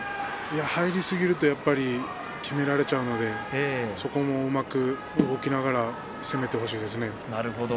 入りすぎるとやっぱりきめられてしまうのでそこもうまく動きながら攻めてほしいですね。